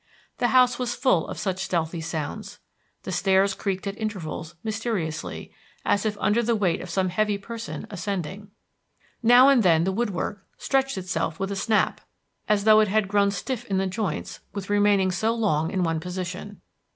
The house was full of such stealthy sounds. The stairs creaked at intervals, mysteriously, as if under the weight of some heavy person ascending. Now and then the woodwork stretched itself with a snap, as though it had grown stiff in the joints with remaining so long in one position.